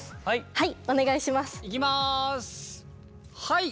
はい。